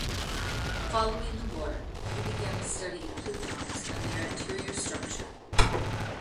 Following the war, he began a study of plutons and their interior structure.